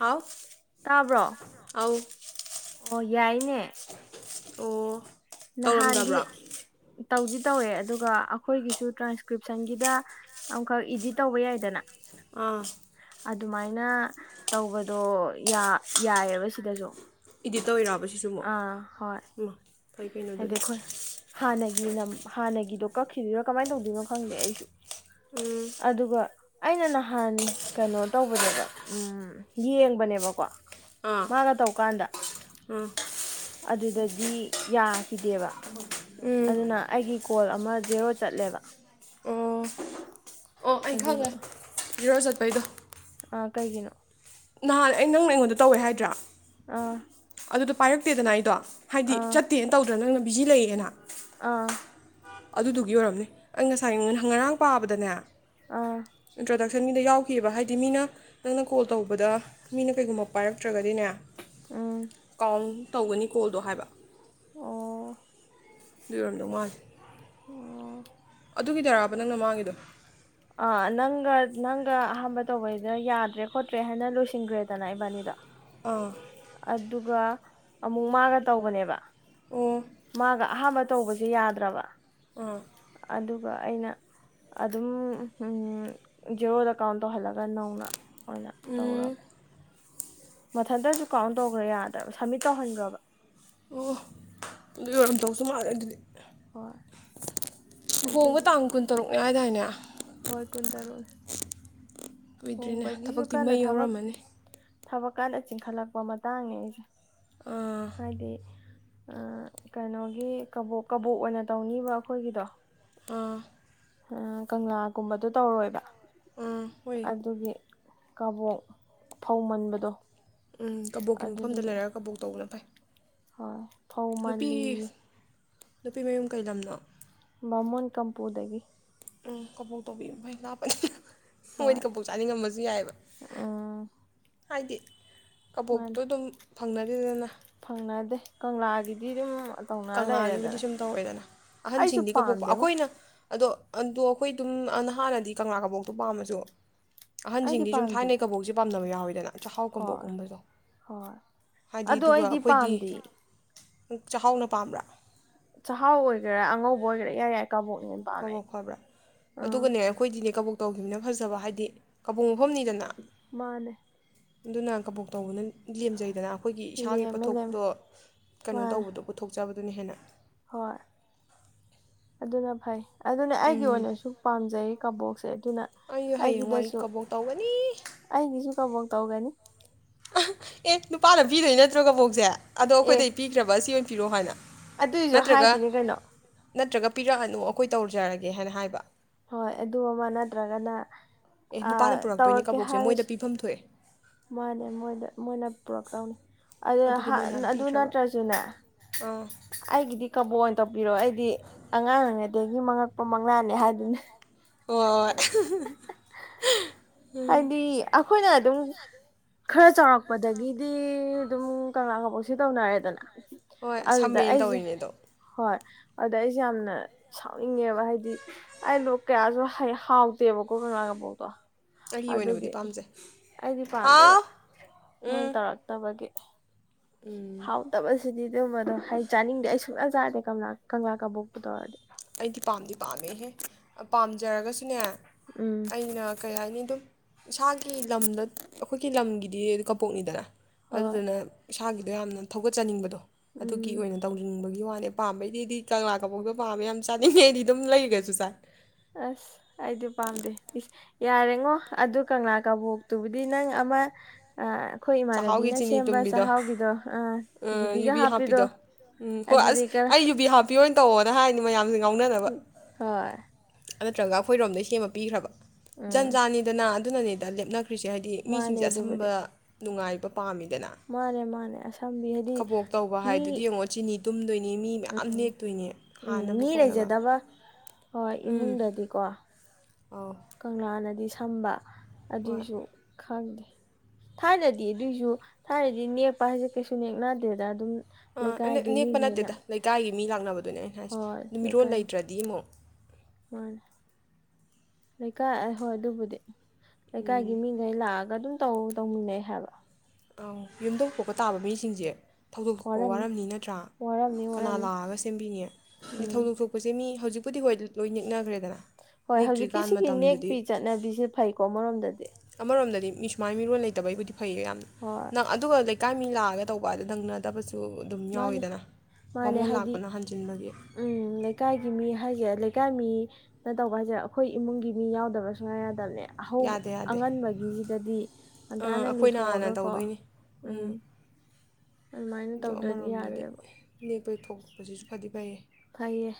ꯍꯥꯎ ꯇꯥꯕ꯭ꯔꯣ ꯑꯧ ꯑꯣ ꯌꯥꯏꯅꯦ ꯑꯣ ꯅꯍꯥꯟꯗꯤ ꯇꯧꯔꯝꯗꯕ꯭ꯔꯣ ꯇꯧꯗꯤ ꯇꯧꯋꯦ ꯑꯗꯨꯒ ꯑꯩꯈꯣꯏꯒꯤꯁꯨ ꯇ꯭ꯔꯥꯟꯁꯀ꯭ꯔꯤꯞꯁꯟꯒꯤꯗ ꯑꯃꯈꯛ ꯏꯗꯤꯠ ꯇꯧꯕ ꯌꯥꯏꯗꯅ ꯑꯥ ꯑꯗꯨꯃꯥꯏꯅ ꯇꯧꯕꯗꯣ ꯌꯥꯏꯑꯕ ꯁꯤꯗꯁꯨ ꯏꯗꯤꯠ ꯇꯧꯤꯔꯛꯑ ꯁꯤꯁꯨ ꯑꯃꯨꯛ ꯑꯥ ꯍꯣꯏ ꯎ ꯐꯩ ꯀꯩꯅꯣꯗꯨꯅꯦ ꯍꯥꯟꯅꯒꯤꯅ ꯍꯥꯟꯅꯒꯤꯗꯣ ꯀꯛꯈꯤꯗꯣꯏꯔꯥ ꯀꯃꯥꯏꯅ ꯇꯧꯗꯣꯏꯅꯣ ꯈꯪꯗꯦ ꯑꯩꯁꯨ ꯎꯝ ꯑꯗꯨꯒ ꯑꯩꯅ ꯅꯍꯥꯟ ꯀꯩꯅꯣ ꯇꯧꯕꯅꯦꯕ ꯎꯝ ꯌꯦꯡꯕꯅꯦꯕꯀꯣ ꯃꯥꯒ ꯇꯧꯀꯥꯟꯗ ꯎꯝ ꯑꯗꯨꯗꯗꯤ ꯌꯥꯈꯤꯗꯦꯕ ꯑꯗꯨꯅ ꯑꯩꯒꯤ ꯀꯣꯜ ꯑꯃ ꯖꯦꯔꯣ ꯆꯠꯂꯦꯕ ꯑꯣ ꯑꯣ ꯑꯩ ꯈꯪꯉꯣ ꯔꯣꯖꯠ ꯕꯩꯗꯣ ꯑ ꯀꯩꯒꯤꯅꯣ ꯅꯍꯥꯟ ꯑꯩ ꯅꯪꯅ ꯑꯩꯉꯣꯟꯗ ꯇꯧꯋꯦ ꯍꯥꯏꯗ꯭ꯔꯥ ꯑꯥ ꯑꯗꯨꯗꯣ ꯄꯥꯏꯔꯛꯇꯦꯗꯅ ꯑꯩꯗꯣ ꯍꯥꯏꯗꯤ ꯑꯥ ꯆꯠꯇꯦꯅ ꯇꯧꯗ꯭ꯔꯥ ꯅꯪꯅ ꯕꯤꯖꯤ ꯂꯩꯦꯅ ꯑꯥ ꯑꯗꯨꯗꯨꯒꯤ ꯑꯣꯏꯔꯝꯅꯦ ꯑꯩ ꯉꯁꯥꯏ ꯉꯔꯥꯡ ꯄꯥꯕꯗꯅꯦ ꯑꯥ ꯏꯟ꯭ꯔꯣꯗ ꯃꯈꯟ ꯃꯤꯗ ꯌꯥꯎꯈꯤꯑꯕ ꯍꯥꯏꯗꯤ ꯃꯤꯅ ꯅꯪꯅ ꯀꯣꯜ ꯇꯧꯕꯗ ꯃꯤꯅ ꯀꯩꯒꯨꯝꯕ ꯄꯥꯏꯔꯛꯇ꯭ꯔꯒ ꯑꯅ ꯎꯝ ꯀꯥꯎꯟ ꯇꯧꯒꯅꯤ ꯀꯣꯜꯗꯣ ꯍꯥꯏꯕ ꯑꯣ ꯔꯣꯟꯗ ꯃꯥ ꯑꯣ ꯑꯗꯨꯒꯤꯗꯔꯥꯕ ꯅꯪꯅ ꯃꯥꯡꯒꯤꯗꯣ ꯑꯥ ꯅꯪꯒ ꯅꯪꯒ ꯑꯍꯥꯟꯕ ꯇꯧꯕꯩꯗ ꯌꯥꯗ꯭ꯔꯦ ꯈꯣꯠꯇ꯭ꯔꯦ ꯍꯥꯏꯅ ꯂꯣꯏꯁꯤꯟꯈ꯭ꯔꯦꯗꯅ ꯏꯕꯥꯅꯤꯗꯣ ꯑꯣ ꯑꯗꯨꯒ ꯑꯃꯨꯛ ꯃꯥꯒ ꯇꯧꯕꯅꯦꯕ ꯑꯣ ꯃꯥꯒ ꯑ ꯃ ꯇꯧꯕꯁꯤꯦ ꯌꯥꯗ꯭ꯔꯕ ꯑꯥ ꯑꯗꯨꯒ ꯑꯩꯅ ꯑꯗꯨꯝ ꯖꯦꯔꯣꯗ ꯀꯥꯎꯟ ꯇꯧꯍꯜꯂꯒ ꯅꯧꯅ ꯑꯣꯏꯅ ꯎꯝ ꯇꯧꯔꯕ ꯃꯊꯟꯇꯁꯨ ꯀꯥꯎꯟ ꯇꯧꯈ꯭ꯔꯥ ꯌꯥꯗ꯭ꯔꯕ ꯁꯕꯃꯤꯠ ꯇꯧꯍꯟꯈ꯭ꯔꯕ ꯑꯣ ꯑꯗꯨ ꯑꯣꯏꯣꯏꯔꯝ ꯇꯧꯁꯨ ꯃꯥꯜꯂꯦ ꯑꯗꯨꯗꯤ ꯍ ꯂꯨꯍꯣꯡꯒ ꯇꯥꯡ ꯀꯨꯟ ꯇꯔꯨꯛꯅꯦꯏꯗꯥꯏꯅꯦ ꯍꯣꯏ ꯀꯨꯟ ꯇꯥꯔꯣꯏ ꯑꯣꯏꯨꯏꯗ꯭ꯔꯤꯅꯦ ꯊꯕꯛꯇꯤ ꯃꯩ ꯌꯥꯧꯔꯝꯃꯅꯤ ꯊꯕꯛꯀꯥꯟꯗ ꯆꯤꯡꯈꯠꯂꯛꯄ ꯃꯇꯥꯡꯅꯦ ꯑꯩꯁꯦ ꯑꯥ ꯍꯥꯏꯗꯤ ꯀꯩꯅꯣꯒꯤ ꯀꯕꯣꯛ ꯀꯕꯣꯛ ꯑꯣꯏꯅ ꯇꯧꯅꯤꯕ ꯑꯩꯈꯣꯏꯒꯤꯗꯣ ꯑ ꯑ ꯀꯪꯂꯥꯒꯨꯝꯕꯗꯣ ꯇꯧꯔꯣꯏꯕ ꯑꯥ ꯍꯣꯏ ꯑꯗꯨꯒꯤ ꯀꯥꯕꯣꯛ ꯐꯧ ꯃꯟꯕꯗꯣ ꯎꯝ ꯀꯕꯣꯛꯀꯤ ꯃꯐꯝꯗ ꯑꯗꯨꯗꯒꯤ ꯂꯩꯔꯒ ꯀꯕꯣꯛ ꯇꯧꯕꯅ ꯐꯩ ꯍꯣꯏ ꯊꯧꯃꯜꯂꯤ ꯅꯨꯄꯤꯃꯌꯨꯝ ꯀꯩ ꯂꯝꯅꯣ ꯕꯥꯃꯣꯟ ꯀꯝꯄꯨꯗꯒꯤ ꯎꯝ ꯀꯕꯣꯛ ꯇꯧꯕꯤ ꯐꯩ ꯂꯥꯞꯄꯩ ꯃꯣꯏꯗꯤ ꯍꯣꯏ ꯀꯝꯄꯣꯛ ꯆꯥꯅꯤꯡꯉꯝꯕꯁꯨ ꯌꯥꯏꯑꯕ ꯎꯝ ꯍꯥꯏꯗꯤ ꯃꯥꯅꯦ ꯀꯕꯣꯛꯇꯣ ꯑꯗꯨꯝ ꯐꯪꯅꯕꯤꯗꯅ ꯐꯪꯅꯗꯦ ꯀꯪꯂꯥꯒꯤꯗꯤ ꯑꯗꯨꯝ ꯇꯧꯅꯔ ꯀꯪꯂꯥꯒꯤꯕꯨꯗꯤ ꯂꯩꯔꯦꯗꯅ ꯁꯨꯝ ꯇꯧꯋꯦꯗꯅ ꯑꯩꯁꯨ ꯑꯍꯟꯁꯤꯡꯗꯤꯒ ꯄꯣꯛꯄ ꯄꯥꯝꯗꯦꯉꯣ ꯑꯩꯈꯣꯏꯅ ꯑꯗꯣ ꯑꯗꯣ ꯑꯩꯈꯣꯏ ꯑꯗꯨꯝ ꯅ ꯍꯥꯟꯅꯗꯤ ꯀꯪꯂꯥ ꯀꯕꯣꯛꯇꯣ ꯄꯥꯝꯃꯁꯨ ꯑꯩꯗꯤ ꯑꯍꯟꯁꯤꯡꯗꯤ ꯁꯨꯝ ꯄꯥꯝꯗꯦ ꯊꯥꯏꯅꯩ ꯀꯕꯣꯛꯁꯦ ꯄꯥꯝꯅꯕ ꯌꯥꯎꯋꯦ ꯆꯥꯛꯍꯥꯎ ꯍꯣꯏ ꯀꯕꯣꯛꯀꯨꯝꯕꯗꯣ ꯍꯣꯏ ꯍꯥꯏꯗꯤ ꯑꯗꯣ ꯑꯗꯨꯒ ꯑꯩꯗꯤ ꯑꯩꯈꯣꯏꯗꯤ ꯄꯥꯝꯗꯦ ꯆ ꯆꯥꯎꯍꯥꯎꯅ ꯄꯥꯝꯕꯔ ꯆꯥꯛꯍꯥꯎ ꯑꯣꯏꯒꯦꯔꯥ ꯑꯉꯧꯕ ꯑꯣꯏꯒꯦꯔꯥ ꯌꯥꯏ ꯌꯥꯏ ꯀꯕꯣꯛꯅ ꯍꯦꯟꯅ ꯄꯥꯝꯃꯦ ꯀꯕ ꯑꯩ ꯈꯕ꯭ꯔꯥ ꯎꯝ ꯑꯗꯨꯒꯅꯦ ꯑꯩꯈꯣꯏꯗꯤꯅꯦ ꯀꯕ ꯇꯧꯈꯤꯕꯅ ꯐꯖꯕ ꯍꯥꯏꯗꯤ ꯀꯕꯨꯡ ꯑꯍꯨꯝꯅꯤꯗꯅ ꯃꯥꯅꯦ ꯑꯗꯨꯅ ꯀꯕꯣꯛ ꯇꯧꯕꯅ ꯂꯦꯝꯖꯩꯗꯅ ꯑꯩꯈꯣꯏ ꯑꯩꯈꯣꯏꯒꯤ ꯏꯁꯥꯒꯤ ꯂꯦꯝꯃꯦ ꯂꯦꯝꯃꯦ ꯄꯣꯊꯣꯛꯇꯣ ꯀꯩꯅꯣ ꯃꯥꯅꯦ ꯇꯧꯕꯗꯣ ꯄꯨꯊꯣꯛꯆꯕ ꯑꯗꯨꯅ ꯍꯦꯟꯅ ꯍꯣꯏ ꯑꯗꯨꯅ ꯐꯩ ꯑꯗꯨꯅ ꯑꯩꯒꯤ ꯑꯣꯏꯅꯁꯨ ꯄꯥꯝꯖꯩ ꯀꯕꯨꯣꯛꯁꯦ ꯑꯩꯁꯨ ꯍꯌꯦꯡꯋꯥꯏ ꯀꯕꯣꯛ ꯇꯧꯒꯅꯤ ꯀꯐꯧ ꯇꯧꯒꯅꯤ ꯅꯨꯄꯤꯗꯩ ꯅꯠꯇ꯭ꯔꯣꯒꯕꯣꯛꯁꯦ ꯑꯗꯣ ꯑꯦ ꯑꯩꯈꯣꯏꯗꯩ ꯄꯤꯈ꯭ꯔꯕ ꯁꯤ ꯑꯣꯏꯅ ꯄꯤꯔꯣ ꯍꯥꯏꯅ ꯑꯗꯨꯏꯁꯨ ꯅꯠꯇ꯭ꯔꯒ ꯍꯥꯏꯗꯣꯏꯅꯦ ꯀꯩꯅꯣ ꯅꯠꯇ꯭ꯔꯒ ꯄꯤꯔꯛꯑꯅꯨ ꯑꯩꯈꯣꯏ ꯇꯧꯖꯔꯒꯦ ꯍꯥꯏꯅ ꯍꯥꯏꯕ ꯍꯣꯏ ꯑꯗꯨ ꯑꯃ ꯅꯠꯇ꯭ꯔꯒꯅ ꯑꯦ ꯅꯨꯄꯥꯅ ꯄꯨꯔꯛꯇꯣꯏꯅꯦ ꯇꯧꯔꯛꯀꯦ ꯀꯕꯣꯛꯁꯦ ꯃꯣꯏꯗ ꯍꯥꯏꯔꯁꯨ ꯄꯤꯐꯝ ꯊꯣꯛꯑꯦ ꯃꯥꯅꯦ ꯃꯣꯏꯗ ꯃꯣꯏꯅ ꯄꯨꯔꯛꯇꯧꯅꯤ ꯑꯗꯨꯗꯤ ꯃꯣꯏ ꯅꯍꯥꯟ ꯑꯗꯨ ꯄꯤꯈ꯭ꯔꯕ ꯅꯠꯇ꯭ꯔꯁꯨꯅꯦ ꯑꯥ ꯑꯩꯒꯤꯗꯤ ꯀꯕꯣꯛ ꯐꯣꯟ ꯇꯧꯕꯤꯔꯛꯑꯣ ꯑꯩꯗꯤ ꯑꯉꯥꯡꯉꯩꯗꯒꯤ ꯃꯪꯉꯛꯄ ꯃꯪꯂꯥꯅꯦ ꯍꯥꯏꯗꯨꯅ ꯍꯣꯏ ꯍꯣꯏ ꯍꯥꯏꯗꯤ ꯑꯩꯈꯣꯏꯅ ꯑꯗꯨꯝ ꯈꯔ ꯆꯥꯎꯔꯛꯄꯗꯒꯤꯗꯤ ꯑꯗꯨꯝ ꯀꯪꯂꯥ ꯀꯕꯣꯛꯁꯦ ꯇꯧꯅꯔꯦꯗꯅ ꯍꯣꯏ ꯑꯗꯨꯗ ꯁꯝꯃꯦꯅ ꯑꯩꯁꯦ ꯇꯧꯔꯤꯅꯦ ꯑꯗꯣ ꯍꯣꯏ ꯑꯗꯨꯗ ꯑꯩꯁꯦ ꯌꯥꯝꯅ ꯁꯥꯎꯅꯤꯡꯉꯦꯕ ꯍꯥꯏꯗꯤ ꯑꯩꯗꯣ ꯀꯌꯥꯁꯨ ꯍꯥꯎꯇꯦꯕꯀꯣ ꯀꯪꯂꯥ ꯀꯕꯣꯛꯇꯣ ꯑꯩꯒꯤ ꯑꯣꯏꯅꯕꯨꯗꯤ ꯄꯥꯝꯖꯩ ꯄꯝꯗꯦꯕ ꯍꯥꯎ ꯃꯣꯏ ꯎꯝ ꯇꯧꯔꯛ ꯇ ꯑꯃꯒꯤꯒꯤ ꯍꯥꯎ ꯇꯕꯁ ꯁꯤꯗꯤ ꯑꯗꯨꯝ ꯑꯗꯣ ꯍꯥꯏ ꯆꯥꯅꯤꯡꯗꯦ ꯑꯩ ꯁꯨꯡꯅ ꯆꯥꯗꯦ ꯀꯪꯂꯥ ꯀꯪꯂꯥ ꯀꯕꯣꯛꯄꯨ ꯇꯧꯔꯗꯤ ꯑꯩꯗꯤ ꯄꯥꯝꯗꯤ ꯄꯥꯝꯃꯦꯍꯦ ꯄꯥꯝꯖꯔꯒꯁꯨꯅꯦ ꯎꯝ ꯑꯩꯅ ꯀꯩ ꯍꯥꯏꯅꯤ ꯑꯗꯨꯝ ꯏꯁꯥꯒꯤ ꯂꯝꯗ ꯑꯩꯈꯣꯏꯒꯤ ꯂꯝꯒꯤꯗꯤ ꯀꯄꯣꯛꯅꯤꯗꯅ ꯍꯣꯏ ꯑꯗꯨꯗꯅ ꯏꯁꯥꯒꯤꯗꯣ ꯌꯥꯝꯅ ꯊꯧꯒꯠꯆꯅꯤꯡꯕꯗꯣ ꯑꯗꯨꯒꯤ ꯎꯝ ꯑꯣꯏꯅ ꯇꯧꯅꯤꯡꯕꯒꯤ ꯋꯥ ꯄꯥꯝꯕꯩꯗꯤ ꯀꯪꯂꯥ ꯀꯕꯣꯛꯗꯣ ꯄꯥꯝꯃꯦ ꯆꯥꯅꯤꯡꯉꯩꯗꯤ ꯑꯗꯨꯝ ꯂꯩꯈ꯭ꯔꯁꯨ ꯆꯥꯏ ꯑꯁ ꯑꯩꯗꯤ ꯄꯥꯝꯗꯦ ꯌꯥꯔꯦꯉꯣ ꯑꯗꯨ ꯀꯪꯂꯥ ꯀꯕꯣꯛꯇꯨꯕꯨꯗꯤ ꯅꯪ ꯑꯃ ꯆꯥꯛꯍꯥꯎꯒꯤ ꯏꯃꯥꯟꯅꯕꯤꯅ ꯆꯤꯅꯤ ꯁꯦꯝꯕ ꯇꯨꯝꯕꯤꯗꯣ ꯆꯥꯛꯍꯥꯎꯒꯤꯗꯣ ꯑꯥ ꯎ ꯌꯨꯕꯤꯒ ꯌꯨꯕꯤ ꯍꯥꯞꯄꯤꯗꯣ ꯎꯝ ꯍꯣꯏ ꯑꯗꯨꯗꯤ ꯑꯁ ꯀꯔ ꯑꯩ ꯌꯨꯕꯤ ꯍꯥꯞꯄꯤꯌꯣ ꯇꯧꯑꯣꯅ ꯍꯥꯏꯅꯤ ꯃꯌꯥꯝꯁꯤꯡ ꯍꯣꯏ ꯅꯠꯇ꯭ꯔꯒ ꯑꯩꯈꯣꯏꯔꯣꯝꯗꯩ ꯁꯦꯝꯃ ꯄꯤꯈ꯭ꯔꯕ ꯎꯝ ꯖꯟꯖꯥꯅꯤꯗꯅ ꯅꯅꯦꯗ ꯂꯦꯞ ꯀꯈꯔꯤꯁꯦ ꯍꯥꯏꯗꯤ ꯃꯥꯅꯦ ꯃꯤꯁꯤꯡꯁꯦ ꯑꯗꯨꯕꯨꯗꯤ ꯑꯁꯝꯕ ꯅꯨꯡꯉꯥꯏꯕ ꯄꯥꯝꯃꯤꯗꯅ ꯃꯥꯅꯦ ꯃꯥꯅꯦ ꯑꯁꯝꯕꯤ ꯍꯥꯏꯗꯤ ꯀꯕꯣꯛ ꯇꯧꯕ ꯍꯥꯏꯗꯨꯗꯤ ꯃꯤ ꯌꯦꯡꯉꯛ ꯆꯤꯅꯤ ꯇꯨꯝꯗ ꯎꯝ ꯎꯝ ꯃꯤ ꯈꯣꯠꯅꯕ ꯂꯩꯖꯗꯕ ꯍꯣꯏ ꯏꯃꯨꯡꯗꯗꯤꯀꯣ ꯑꯧ ꯀꯪꯂꯥ ꯅꯗꯤ ꯁꯝꯕ ꯍꯣꯏ ꯑꯗꯨꯁꯨꯣ ꯈꯪꯗꯦ ꯊꯥꯏꯅꯗꯤ ꯑꯗꯨꯏꯁꯨ ꯊꯥꯏꯅꯗꯤ ꯅꯦꯛꯄ ꯍꯥꯏꯁꯦ ꯀꯩꯁꯨ ꯅꯦꯛꯅꯗꯦꯗ ꯑꯗꯨꯝ ꯑ ꯂꯩꯀꯥꯏꯒꯤ ꯅꯦꯛꯄ ꯃꯤꯈꯩꯅ ꯅꯠꯇꯦꯗ ꯂ ꯂꯩꯛꯥꯏ ꯃꯤ ꯂꯥꯛꯅꯕꯣ ꯑꯗꯨꯅꯦ ꯑꯩꯅ ꯍꯥꯏꯁ ꯍꯣꯏ ꯅꯨꯃꯤꯠꯔꯣꯜ ꯂꯩꯀꯥꯏ ꯂꯩꯇ꯭ꯔꯗꯤ ꯑꯃꯨꯛ ꯃꯥꯅꯦ ꯂꯩꯀꯥꯏ ꯍꯣꯏ ꯑꯗꯨꯕꯨꯗꯤ ꯂꯩꯀꯒꯤ ꯃꯤꯒꯂꯒ ꯑꯗꯨ ꯇꯧ ꯇꯧꯃꯤꯟꯅꯩ ꯍꯥꯏꯕ ꯑꯪ ꯌꯨꯝꯗ ꯄꯣꯛꯄ ꯇꯥꯕ ꯃꯤꯁꯤꯡꯁꯦ ꯊꯧꯗꯣꯛ ꯊꯣꯛꯄ ꯋꯥꯔꯝꯅꯤ ꯅꯠꯇ꯭ꯔꯥ ꯋꯥꯔꯝꯅꯤ ꯀꯅꯥ ꯋꯥꯔꯝꯅꯤ ꯂꯥꯛꯑꯒ ꯁꯦꯝꯕꯤꯅꯤ ꯎꯝ ꯊꯧꯗꯣꯛ ꯊꯣꯛꯄꯁꯦ ꯃꯤ ꯍꯧꯖꯤꯛ ꯑꯩꯕꯨꯗꯤ ꯍꯣꯏ ꯂꯣꯏ ꯅꯅꯤꯛꯅꯈ꯭ꯔꯦꯗꯅ ꯍꯣꯏ ꯍꯧꯖꯤꯛꯀꯤ ꯁꯤꯒꯤ ꯅꯦꯛꯄꯤ ꯆꯠꯅꯕꯤꯁꯦ ꯐꯩꯀꯣ ꯑꯃꯔꯣꯝꯗꯗꯤ ꯑꯃꯔꯣꯝꯗꯗꯤ ꯃꯤ ꯁꯨꯃꯥꯏ ꯃꯤꯔꯣꯣꯟ ꯂꯩꯇꯕꯒꯤꯕꯨꯗꯤ ꯐꯩꯌꯦ ꯌꯥꯝ ꯍꯣꯏ ꯅꯪ ꯑꯗꯨꯒ ꯏꯀꯥꯏ ꯃꯤ ꯂꯥꯛꯑꯒ ꯇꯧꯕ ꯑꯗꯣ ꯅꯪꯅꯗꯕꯁꯦ ꯃꯥꯅꯦ ꯃꯥꯅꯦ ꯍꯥꯏꯗꯤ ꯂꯥꯛꯄꯅ ꯍꯟꯖꯤꯟꯕꯒꯤ ꯎꯝ ꯂꯩꯀꯥꯏꯒꯤ ꯃꯤ ꯍꯥꯏꯒꯦꯔ ꯂꯩꯀꯥꯏ ꯃꯤ ꯅ ꯇꯧꯕ ꯍꯥꯏꯁꯦ ꯑꯩꯈꯣꯏ ꯏꯃꯨꯡꯒꯤ ꯃꯤ ꯌꯥꯎꯗꯕꯁꯨꯨꯡ ꯉꯥꯏ ꯌꯥꯗꯕꯅꯦ ꯍꯧꯕ ꯌꯥꯗꯦ ꯌꯥꯗꯦ ꯑꯉꯟꯕꯒꯤꯁꯤꯗꯗꯤ ꯉꯟꯇꯥꯅ ꯑꯥ ꯑꯩꯈꯣꯏꯅ ꯍꯥꯟꯅ ꯂꯨꯊꯣꯛꯑꯒꯀꯣ ꯎꯝ ꯑꯗꯨꯃꯥꯏꯅ ꯑ ꯇꯧꯗ꯭ꯔꯗꯤ ꯑꯃꯔꯣꯝꯗꯗꯤ ꯌꯥꯗ꯭ꯔꯦꯕ ꯅꯦꯛꯄꯩ ꯊꯣꯛꯛꯄꯁꯤꯁꯨ ꯐꯗꯤ ꯐꯩꯑꯦ ꯐꯩꯌꯦ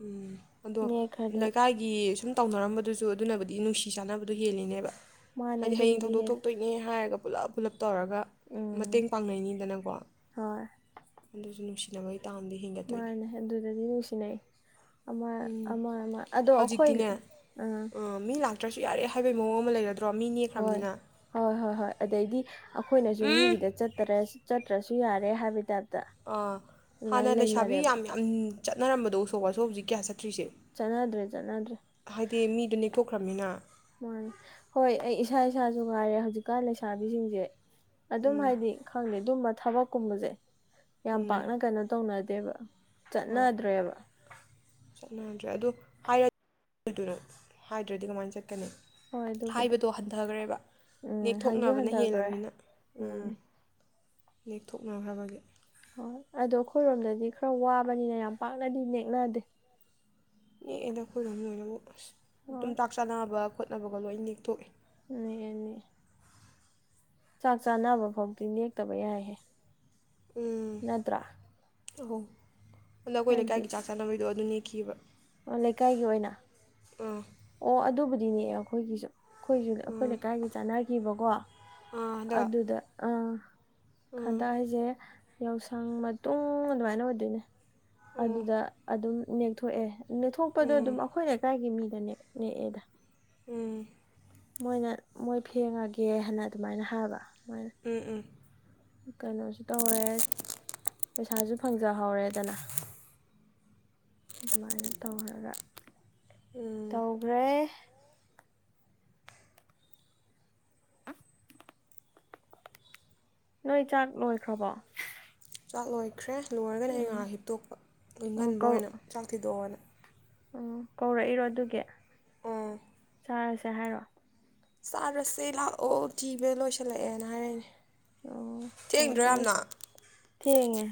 ꯎꯝ ꯑꯗꯣ ꯅꯦꯛꯈ꯭ꯔꯗꯤ ꯂꯩꯀꯥꯏꯒꯤ ꯁꯨꯝ ꯇꯧꯅꯔꯝꯕꯗꯨꯁꯨ ꯑꯗꯨꯅꯕꯨꯗꯤ ꯅꯨꯡꯁꯤ ꯐꯤ ꯆꯥꯅꯕꯗꯣ ꯍꯦꯜꯂꯤꯅꯦꯕ ꯃꯥꯅꯦ ꯍꯥꯏꯗꯤ ꯍꯌꯦꯡ ꯑꯗꯨꯕꯨꯗꯤ ꯊꯧꯗꯣꯛ ꯍꯦꯜꯂꯦ ꯊꯣꯛꯇꯣꯏꯅꯦ ꯍꯥꯏꯔꯒ ꯂꯞ ꯄꯨꯂꯞ ꯇꯧꯔꯒ ꯎꯝ ꯃꯇꯦꯡ ꯄꯥꯡꯅꯩꯅꯤꯗꯅꯀꯣ ꯍꯣꯏ ꯑꯗꯨꯁꯨꯅꯤ ꯃꯁꯤꯅ ꯑꯣꯏ ꯃꯥꯅꯦ ꯑꯗꯨꯗꯗꯤ ꯅꯨꯡꯁꯤꯅꯩ ꯑꯃ ꯑꯃ ꯑꯗꯣ ꯑꯩꯈꯣꯏ ꯑꯥ ꯇ꯭ꯔꯁꯨ ꯌꯥꯔꯦ ꯍꯥꯏꯕꯒꯤ ꯃꯑꯣꯡ ꯑꯃ ꯂꯩꯔꯗꯤꯦ ꯍꯣꯏ ꯍꯣꯏ ꯍꯣꯏ ꯍꯣꯏ ꯑꯗꯩꯗꯤ ꯑꯩꯈꯣꯏꯅꯁꯨ ꯎꯝ ꯃꯤꯒꯤꯗ ꯆꯠꯇꯔꯦ ꯆꯠꯇ꯭ꯔꯁꯨ ꯌꯥꯔꯦ ꯍꯥꯏꯕ ꯇꯥ ꯑꯥ ꯍꯥꯟꯅ ꯂꯩꯁꯥꯕꯤ ꯌꯥꯝ ꯌꯥꯝ ꯆꯠꯔꯝꯕꯗꯣꯁꯣ ꯑꯁꯣ ꯍꯧꯛ ꯀꯌꯥ ꯆꯠ ꯆꯠꯅꯗ꯭ꯔꯦ ꯆꯠꯅꯗ꯭ꯔꯦ ꯍꯥꯏꯗꯤ ꯃꯤꯗꯣ ꯅꯦꯛꯊꯣꯛ ꯈ꯭ꯔꯝꯃꯤꯅ ꯃꯥꯅꯦ ꯍꯣꯏ ꯑꯩ ꯏꯁꯥ ꯏꯁꯥꯁꯨ ꯉꯥꯏꯔꯦ ꯍꯧꯖꯤꯛꯀꯥꯟ ꯂꯩꯁꯥꯕꯤꯁꯤꯡꯁꯦ ꯑꯗꯨꯝ ꯎꯝ ꯍꯥꯏꯗꯤ ꯈꯪꯗꯦ ꯑꯗꯨꯝ ꯊꯕꯛꯀꯨꯝꯕꯁꯦ ꯌꯥꯝ ꯎꯝ ꯄꯥꯛꯅ ꯀꯩꯅꯣ ꯇꯧꯅꯗꯦꯕ ꯍꯣꯏ ꯆꯠꯅꯗ꯭ꯔꯦꯕ ꯠꯇ꯭ꯔꯦ ꯑꯗꯨꯗ ꯍꯥꯏꯔ ꯍꯥꯏꯗ꯭ꯔꯗꯤ ꯀꯃꯥꯏꯅ ꯆꯠ ꯀꯅꯤ ꯍꯣꯏ ꯑꯗꯨꯕꯨꯗꯤ ꯍꯥꯏꯕꯗꯣ ꯍꯟꯊꯈ꯭ꯔꯦꯕ ꯎꯝ ꯍꯟꯁꯨ ꯅꯦꯛꯊꯣꯛꯅꯕꯅ ꯍꯟꯊꯈ꯭ꯔꯦ ꯍꯦꯜꯂꯝꯅꯤꯅ ꯎꯝ ꯑꯥ ꯅꯦꯛꯊꯣꯛꯅꯈ꯭ꯔꯕꯒꯤ ꯍꯣꯏ ꯑꯗꯣ ꯑꯩꯈꯣꯏꯔꯣꯝꯗꯗꯤ ꯈꯔ ꯋꯥꯕꯅꯤꯅ ꯌꯥꯝ ꯄꯥꯛꯅꯗꯤ ꯅꯦꯛꯅꯗꯦ ꯅꯦꯛꯑꯅ ꯑꯩꯈꯣꯏꯔꯣꯝ ꯂꯣꯏꯅꯃꯛ ꯑꯗꯨꯝ ꯍꯣꯏ ꯇꯥꯛ ꯆꯥꯅꯕ ꯈꯣꯠꯅꯕꯒ ꯂꯣꯏꯅ ꯅꯦꯛꯊꯣꯛꯏ ꯑꯦꯅꯦ ꯆꯥꯛ ꯆꯥꯅꯕ ꯐꯥꯎꯗꯤ ꯅꯦꯛꯇꯕ ꯌꯥꯏꯍꯦ ꯎꯝ ꯅꯠꯇ꯭ꯔꯥ ꯑꯣ ꯑ ꯅꯈꯣꯏ ꯍꯥꯏꯗꯤ ꯂꯩꯀꯥꯏꯒꯤ ꯆꯥ ꯆꯥꯅꯕꯣꯏꯗꯣ ꯑꯗꯨꯅꯤ ꯈꯤꯕ ꯂꯩꯀꯥꯏꯒꯤ ꯑꯣꯏꯅ ꯑꯥ ꯑꯣ ꯑꯗꯨꯕꯨꯗꯤꯅꯦ ꯑꯩꯈꯣꯏꯒꯤꯁꯨ ꯑꯩꯈꯣꯏꯁꯨ ꯑꯩꯈꯣꯏ ꯎꯝ ꯂꯩꯀꯥꯏꯒꯤ ꯆꯥꯟꯅꯈꯤꯕꯀꯣ ꯑꯥ ꯑꯗ ꯑꯗꯨꯗ ꯑꯥ ꯎꯝ ꯈꯟꯗ ꯍꯥꯏꯁꯦ ꯌꯥꯎꯁꯪ ꯃꯇꯨꯡ ꯑꯗꯨꯃꯥꯏꯅ ꯑꯣꯏꯗꯣꯏꯅꯦ ꯑꯣ ꯑꯗꯨꯗ ꯑꯗꯨꯝ ꯅꯦꯛꯊꯣꯛꯑꯦ ꯅꯦꯛꯊꯣꯛꯄꯗꯣ ꯑꯗꯨꯝ ꯎꯝ ꯑꯩꯈꯣꯏꯅ ꯂꯩꯀꯥꯏꯒꯤ ꯃꯤꯗꯅꯦ ꯅꯦꯛꯑꯥꯗ ꯎꯝ ꯃꯣꯏꯅ ꯃꯣꯏ ꯐꯦꯡꯉꯒꯦ ꯍꯥꯏꯅ ꯑꯗꯨꯃꯥꯏꯅ ꯍꯥꯏꯕ ꯑꯗꯨꯃꯥꯏꯅ ꯎꯝ ꯎꯝ ꯀꯩꯅꯣꯁꯨ ꯇꯧꯔꯦ ꯄꯩꯁꯥꯁꯨ ꯐꯪꯖꯍꯧꯔꯦꯗꯅ ꯑꯗꯨꯃꯥꯏꯅ ꯇꯧꯔꯒ ꯇꯧꯈ꯭ꯔꯦ ꯅꯣꯏ ꯆꯥꯛ ꯂꯣꯏꯈ꯭ꯔꯕꯣ ꯆꯠꯂꯣꯏ ꯎꯠꯈ꯭ꯔꯦ ꯂꯣꯏꯔꯒꯅ ꯑꯩ ꯎꯝ ꯉꯥꯏꯍꯥꯛ ꯍꯤꯞꯇꯣꯛꯄ ꯏꯪꯍꯟꯕ ꯀꯧ ꯑꯣꯏꯅ ꯆꯥꯛ ꯊꯤꯗꯣꯛꯑꯣꯅ ꯑꯣ ꯀꯧꯔꯛꯏꯔꯣ ꯑꯗꯨꯒꯤ ꯑ ꯆꯥꯔꯁꯦ ꯍꯥꯏꯔꯛꯑꯣ ꯆꯥꯔꯁꯦ ꯂꯥꯛꯑꯣ ꯊꯤꯕ ꯂꯣꯏꯁꯤꯜꯂꯛꯑꯦꯅ ꯍꯥꯏꯔꯅꯦ ꯑꯣ ꯊꯦꯡꯦ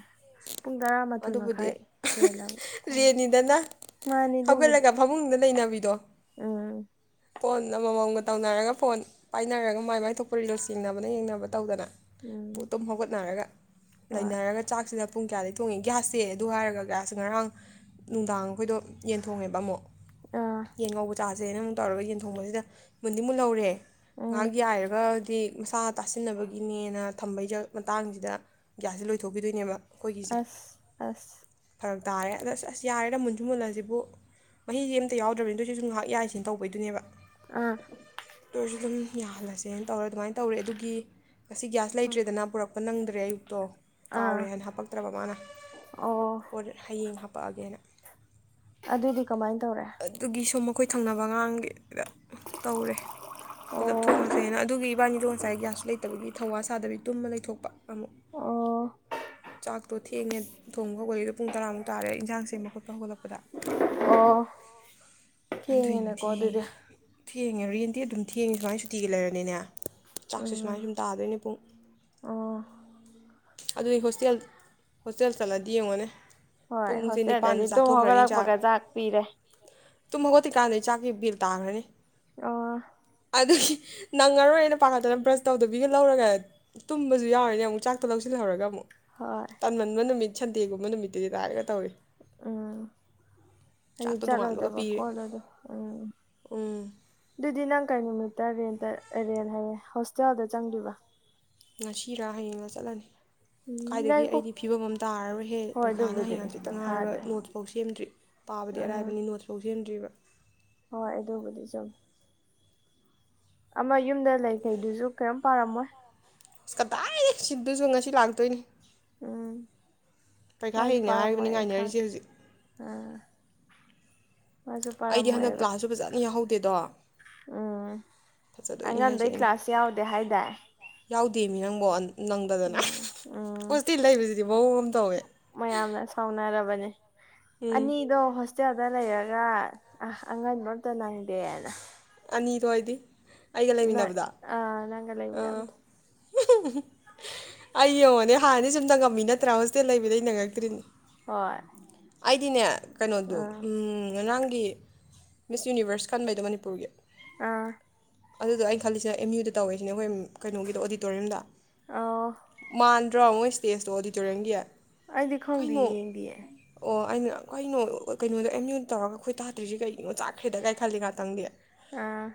[inaudible] ꯄꯨꯡ ꯇꯔꯥꯃꯊꯣꯏ ꯑꯗꯨꯕꯨꯗꯤ ꯃꯈꯥꯏ ꯍꯦꯜꯂꯕ ꯊ ꯔꯦꯟꯅꯤꯗꯅ ꯃꯥꯅꯤ ꯑꯗꯨꯕꯨꯗꯤ ꯎꯕꯤꯗꯣ ꯑꯝ ꯐꯣꯟ ꯑꯃꯃꯝꯒ ꯇꯧꯅꯔꯒ ꯐꯣꯟ ꯄꯥꯏꯅꯔꯒ ꯃꯥꯏ ꯃꯥꯏꯊꯣꯛꯄ ꯔꯤꯜꯁ ꯆꯤꯡꯅꯕꯅ ꯌꯦꯡꯅꯕ ꯇꯧꯗꯅ ꯎꯝ ꯇꯨꯝ ꯍꯧꯒꯠꯅꯔꯒ ꯍꯣꯏ ꯂꯩꯅꯔꯒ ꯆꯥꯛꯁꯤꯗ ꯄꯨꯡ ꯀꯌꯥꯗꯩ ꯊꯣꯡꯉꯦ ꯒ꯭ꯌꯥꯁꯁꯦ ꯑꯗꯨ ꯍꯥꯏꯔꯒ ꯒ꯭ꯌꯥꯁ ꯉꯔꯥꯡ ꯅꯨꯡꯗꯥꯡ ꯑꯩꯈꯣꯏꯗꯣ ꯌꯦꯟ ꯊꯣꯡꯉꯦꯕ ꯑꯃꯨꯛ ꯑꯥ ꯌꯦꯟ ꯉꯧꯕ ꯆꯥꯖꯅ ꯑꯃꯨꯛ ꯇꯧꯔꯒ ꯌꯦꯟꯊꯣꯡꯕꯁꯤꯗ ꯃꯨꯟꯗꯤꯃꯨꯛ ꯂꯧꯔꯦ ꯉꯥꯏꯍꯥꯛ ꯎꯝ ꯌꯥꯏꯔꯒꯗꯤ ꯃꯁꯥ ꯇꯥꯁꯤꯟꯅꯕꯒꯤꯅꯦꯅ ꯊꯝꯕꯩ ꯃꯇꯥꯡꯁꯤꯗ ꯒ꯭ꯌꯥꯁꯁꯦ ꯂꯣꯏꯊꯣꯛꯄꯤꯗꯣꯏꯅꯦꯕ ꯑꯁ ꯑꯁ ꯐꯔꯛ ꯇꯥꯔꯦ ꯑꯗ ꯑꯁ ꯑꯁ ꯌꯥꯔꯦꯥ ꯃꯨꯟꯁꯨ ꯃꯨꯜꯂꯁꯤꯕꯨ ꯃꯍꯤꯁꯦ ꯑꯃꯝꯇ ꯌꯥꯎꯗ꯭ꯔꯕꯅꯤ ꯑꯗꯨꯣ ꯁꯤꯁꯨ ꯉꯥꯏꯍꯥꯛ ꯌꯥꯏꯁꯤꯅꯦ ꯇꯧꯕꯩꯗꯨꯅꯦꯕ ꯑꯥ ꯇꯔꯁꯨ ꯑꯗꯨꯝ ꯌꯥꯍꯜꯂꯁꯦꯅ ꯇꯧꯔ ꯑꯗꯨꯃꯥꯏꯅ ꯇꯧꯔꯦ ꯑꯗꯨꯒꯤ ꯉꯁꯤ ꯒ꯭ꯌꯥꯁ ꯎꯝ ꯂꯩꯇ꯭ꯔꯦꯗꯅ ꯄꯨꯔꯛꯄ ꯅꯪꯗ ꯇꯩꯛꯇꯣ [inaudible] ꯑꯥ ꯀꯥꯎꯔꯦ ꯍꯥꯏꯅ ꯍꯥꯄꯛꯇ꯭ꯔꯕ ꯃꯥꯅ ꯑꯣ ꯍ ꯍꯌꯦꯡ ꯍꯥꯄꯛꯑꯒꯦꯅ ꯑꯗꯨꯗꯤ ꯀꯃꯥꯏꯅ ꯇꯧꯔꯦ ꯑꯗꯨꯒꯤ ꯁꯨꯝ ꯑꯩꯣꯏ ꯊꯪꯅꯕ ꯑꯥꯡꯒꯤꯗ ꯇꯧꯔꯦ ꯄꯨꯂꯞ ꯑꯣ ꯊꯣꯡꯉꯁꯦꯅ ꯑꯗꯨꯒꯤ ꯏꯕꯥꯅꯤꯗꯣ ꯉꯁꯥꯏ ꯒ꯭ꯌꯥꯁ ꯂꯩꯇꯕꯒꯤ [inaudible] ꯊꯧꯋꯥ ꯁꯥꯗꯕꯤ ꯇꯨꯝꯃꯥ ꯂꯩꯊꯣꯛꯄ ꯑꯃꯨꯛ ꯑꯣ ꯆꯥꯛꯇꯣ ꯊꯦꯡꯉꯦ ꯊꯣꯡꯕ ꯍꯧꯒꯗ ꯄꯨꯪ ꯇꯥꯔꯥ ꯃꯨꯛ [inaudible] ꯇꯥꯔꯦ ꯏꯟꯖꯥꯡꯁꯦ ꯃꯈꯨꯠꯄ ꯍꯧꯒꯠꯂꯛꯄꯗ ꯑꯣ ꯑꯗꯨꯏꯅꯦ ꯊꯦꯡꯉꯦꯅꯀꯣ ꯊꯦꯡꯉꯦ ꯑꯗꯨꯗꯤ ꯊꯦꯡꯉꯦ ꯔꯦꯟꯗꯤ ꯑꯗꯨꯝ ꯊꯦꯡꯉꯦ ꯁꯨꯃꯥꯏꯅ ꯁꯨꯇꯤꯒꯤ ꯂꯩꯔꯅꯤꯅꯦ ꯆꯥꯛꯁꯦ ꯁꯨꯃꯥꯏꯅ ꯎꯝ ꯁꯨꯝ ꯇꯥꯗꯣꯏꯅꯦ ꯄꯨꯡ ꯑꯣ ꯑꯗꯨꯅꯤ ꯍꯣꯁꯇꯦꯜ ꯍꯣꯁꯇꯦꯜ ꯆꯠꯂꯗꯤ ꯌꯦꯡꯉꯣꯅꯦ ꯍꯣꯏ ꯄꯨꯡꯁꯦ ꯅꯤꯄꯥꯟꯗ ꯍꯣꯁꯇꯦꯜꯗꯗꯤ ꯇꯨꯝ ꯆꯥꯊꯣꯛꯈ꯭ꯔꯅꯤ ꯍꯧꯒꯠꯂꯛꯄꯒ ꯆꯥꯛ ꯄꯤꯔꯦ ꯇꯨꯝ ꯍꯧꯒꯠꯠꯇ ꯀꯥꯟꯗꯩ ꯆꯥꯛꯀꯤ ꯕꯦꯜ ꯇꯥꯈ꯭ꯔꯅꯤ ꯑ ꯑꯗꯨꯒꯤ ꯅꯪꯉꯔꯣꯏꯦꯅ ꯄꯥꯈꯠꯇꯅ ꯕ꯭ꯔꯁ ꯇꯧꯗꯕꯤꯒ ꯂꯧꯔꯒ ꯇꯨꯝꯕꯁꯨ ꯌꯥꯎꯔꯦꯅꯦ ꯑꯃꯨꯛ ꯆꯥꯛꯇ ꯂꯧꯁꯤꯜꯍꯧꯔꯒ ꯑꯃꯨꯛ ꯍꯣꯏ ꯇꯥꯟ ꯃꯟꯕ ꯅꯨꯃꯤꯠ ꯁꯟꯗꯦꯒꯨꯝꯕ ꯅꯨꯃꯤꯠꯇꯨꯗꯤ ꯇꯥꯏꯔꯒ ꯇꯧꯔꯤ ꯑꯥ ꯍꯥꯏꯗꯤ ꯆꯥꯛꯇꯣ ꯅꯣꯡꯉꯥꯟꯕꯒ ꯆꯠꯂꯣꯏꯗꯕ ꯄꯤꯔꯦ ꯈꯣꯠꯂꯗ ꯎꯝ ꯎꯝ ꯑꯗꯨꯗꯤ ꯅꯪ ꯀꯩ ꯅꯨꯃꯤꯠ ꯇꯔꯦꯟꯗꯔꯦꯟ ꯍꯥꯏꯌꯦꯦ ꯍꯣꯁꯇꯦꯜꯗ ꯆꯪꯒꯤꯕ ꯉꯁꯤꯔꯥ ꯍꯌꯦꯡꯡꯂ ꯆꯠꯂꯅꯤ ꯎꯝ ꯀꯥꯏꯏꯗꯒꯤ ꯂꯩꯈꯣ ꯑꯩꯗꯤ ꯐꯤꯕꯝ ꯑꯃ ꯇꯥꯔꯔꯣꯏ ꯍꯦ ꯍꯣꯏ ꯄꯔꯤꯈꯥꯅ ꯑꯗꯨꯕꯨꯗꯤ ꯍꯌꯦꯡꯥꯡꯆꯛꯇ ꯉꯥꯏꯔꯒ ꯄꯩꯈꯥꯗꯤ ꯅꯣꯠꯁꯐꯥꯎ ꯁꯦꯝꯗ꯭ꯔꯤ ꯄꯥꯕꯗꯤ ꯎꯝ ꯑꯔꯥꯏꯕꯅꯤ ꯅꯣꯠꯁꯐꯥꯎ ꯁꯦꯝꯗ꯭ꯔꯤꯕ ꯍꯣꯏ ꯑꯗꯨꯕꯨꯗꯤ ꯆꯨꯝ ꯑꯃ ꯌꯨꯝꯗ ꯂꯩꯈꯩꯗꯨꯁꯨ ꯀꯔꯤꯝ ꯄꯥꯔꯝꯃꯣꯏ ꯑꯁ ꯀꯗꯥꯏ ꯁꯤꯗꯨꯁꯨ ꯉꯁꯤ ꯂꯥꯛꯇꯣꯏꯅꯤ ꯎꯝ ꯄꯩꯈꯥ ꯃꯥꯁꯨ ꯍꯌꯦꯡꯅꯦ ꯄꯥꯔꯝꯃꯣꯏ ꯍꯥꯏꯔꯤꯕꯅꯤ ꯑꯩ ꯉꯥꯏꯅꯔꯤꯁꯦ ꯈꯪꯉꯦ ꯍꯧꯖꯤꯛ ꯑꯥ ꯃꯥꯁꯨ ꯑꯩꯗꯤ ꯍꯟꯗꯛ ꯄꯥꯔꯝꯃꯣꯏꯕ ꯀꯂ꯭ꯥꯁ ꯁꯨ ꯐꯖꯅ ꯌꯥꯍꯧꯗꯦ ꯠꯇꯗꯣ ꯎꯝ ꯍꯥꯏꯁꯦ ꯑꯉꯝꯕꯩ ꯀ꯭ꯂꯥꯁ ꯌꯥꯎꯗꯦ ꯍꯥꯏꯗꯥꯏ ꯗꯦꯃꯤ ꯅꯪꯕꯣ ꯅꯪꯗꯗꯅ ꯎꯝ ꯎꯝ ꯍꯧꯖꯤꯛꯇꯤ ꯂꯩꯕꯁꯤꯗꯤ ꯃꯑꯣꯡ ꯑꯃ ꯇꯧꯋꯦ ꯎꯝ ꯑꯅꯤ ꯏꯣ ꯍꯁꯦ ꯗ ꯂꯩꯔꯒ ꯑ ꯑꯉꯟꯕ ꯑꯝꯇ ꯅꯪꯗꯦꯅ ꯑꯅꯤꯔꯣꯏ ꯑꯣꯏꯗꯤ ꯑ ꯅꯪꯒ ꯂꯩ ꯑꯥ ꯌꯥꯕꯗ ꯑꯩ ꯌꯦꯡꯉꯣꯅꯦ ꯍꯥꯟꯅꯗꯤ ꯁꯨꯝꯇꯪꯉꯝꯃꯤ ꯅꯠꯇ꯭ꯔꯥ ꯍꯣꯁꯇꯦꯜ ꯂꯩꯕꯗ ꯅꯪꯉꯛꯇ꯭ꯔꯤꯅꯦ ꯍꯣꯏ ꯑꯩꯗꯤꯅꯦ ꯀꯩꯅꯣꯗꯣ ꯑꯥ ꯎ ꯉꯥꯡ ꯒꯤ ꯃꯤꯁ ꯌꯨꯅꯤꯕꯔꯁ ꯀꯟꯕꯩꯗꯣ ꯃꯅꯤꯄꯨꯔꯒꯤ ꯑꯥ ꯑꯗꯨꯗ ꯑꯩꯩꯅ ꯈꯜꯂꯤꯁꯤꯅ ꯑꯦꯝ ꯌꯨꯗ ꯇꯧꯋꯦꯁꯤꯅꯦ ꯑꯩꯈꯣꯏ ꯀꯩꯅꯣꯒꯤꯗꯣ ꯑꯣꯗꯤꯇꯣꯔꯤꯌꯝꯗ ꯑꯣ ꯃꯥꯡ ꯗ꯭ꯔꯣ ꯃꯣꯏ ꯁ꯭ꯇꯦꯖꯇꯣ ꯑꯣꯗꯤꯇꯣꯔꯤꯌꯝꯒꯤ ꯑꯩꯗꯤ ꯈꯪꯗꯦ ꯌꯦꯡꯗꯌꯦ ꯀꯈꯣꯏꯩꯅꯣ ꯀꯩꯅꯣꯗ ꯑꯦꯝ ꯌꯨꯗ ꯇꯧꯔꯒ ꯑꯩꯈꯣꯏ ꯇꯥꯇ꯭ꯔꯤꯁꯤ ꯀꯩꯒꯤꯅꯣ ꯆꯥꯛꯈ꯭ꯔꯦꯗ ꯀꯥꯏ ꯈꯜꯂꯤ ꯉꯥꯛꯇꯪꯗꯤ ꯑꯥ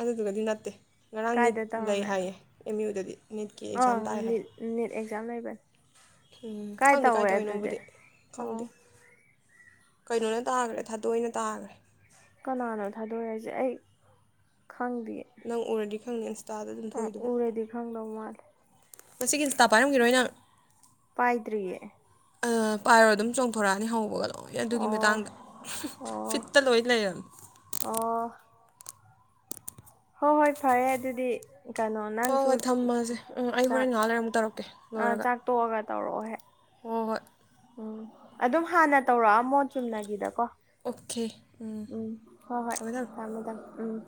ꯑꯗꯨꯗꯨꯒꯗꯤ ꯅꯠꯇꯦ ꯉꯔꯥꯡ ꯅꯤꯠ ꯀꯥꯏꯗ ꯂꯩ ꯇꯧꯔꯝꯃꯦ ꯍꯥꯏꯌꯦ ꯑꯦꯝ ꯌꯨꯗꯗꯤ ꯅꯤꯠꯀꯤ ꯑꯦꯛꯖꯥꯝ ꯑꯪ ꯇꯥꯏ ꯍꯥꯏ ꯅꯦꯠ ꯑꯦꯛꯖꯥꯝ ꯂꯩꯕꯅꯤ ꯎꯝ ꯀꯥꯏ ꯈꯪꯗꯦ ꯇꯧꯋꯦ ꯑꯗꯨꯗꯤ ꯇꯧꯔꯤꯅꯣꯕꯨꯗꯤ ꯑꯣ ꯈꯪꯗꯦ ꯀꯩꯅꯣꯅ ꯇꯥꯈ꯭ꯔꯦ ꯊꯥꯗꯣꯛꯏꯅ ꯇꯥꯈ꯭ꯔꯦ ꯀꯅꯥꯅꯣ ꯊꯥꯗꯣꯔꯦ ꯍꯥꯏꯁꯦ ꯑꯩ ꯈꯪꯗꯦ ꯅꯪ ꯎꯔꯗꯤ ꯈꯪꯅꯤ ꯏꯟꯁꯇꯥꯗ ꯑꯗꯨꯝ ꯑ ꯊꯣꯛꯏꯗꯨꯕꯨ ꯎꯔꯗꯤ ꯈꯪꯗꯧ ꯃꯥꯜꯂꯦ ꯃꯁꯤꯒꯤ ꯏꯁꯇꯥꯐ ꯄꯥꯏꯔꯝꯈꯤꯔꯣꯏ ꯅꯪ ꯄꯥꯏꯗ꯭ꯔꯤꯌꯦ ꯄꯥꯏꯔꯣ ꯑꯗꯨꯝ ꯆꯣꯡꯊꯣꯔꯛꯑꯅꯤ ꯍꯧꯕꯒꯂ ꯍꯣꯏ ꯑꯗꯨꯒꯤ ꯑꯣ ꯃꯇꯥꯡꯗ ꯑꯣ ꯐꯤꯠꯇ ꯂꯣꯏ ꯂꯩꯔꯝꯃꯤ ꯑꯣ ꯍꯣꯏ ꯍꯣꯏ ꯐꯔꯦ ꯑꯗꯨꯗꯤ ꯀꯩꯅꯣ ꯍꯣꯏ ꯅꯪꯁꯨ ꯍꯣꯏ ꯊꯝꯃꯁꯦ ꯎꯝ ꯑꯩ ꯆꯥꯛ ꯍꯣꯔꯦꯟ ꯅꯍꯥꯥꯟ ꯂꯩꯔ ꯑꯃꯨꯛ ꯇꯧꯔꯛꯀꯦ ꯑꯥ ꯂꯣꯏꯔꯒ ꯆꯥꯛ ꯇꯣꯛꯑꯒ ꯇꯧꯔꯛꯑꯣꯍꯦ ꯍꯣꯏ ꯍꯣꯏ ꯎꯝ ꯑꯗꯨꯝ ꯍꯥꯟꯅ ꯇꯧꯔꯛꯑꯃꯣ ꯆꯨꯝꯅꯒꯤꯗꯀꯣ ꯑꯣꯀꯦ ꯎꯝ ꯍꯣꯏ ꯍꯣꯏ ꯊꯃꯦ ꯊꯝꯣ ꯊꯝꯃꯦ ꯊꯝꯃꯦ ꯎꯝ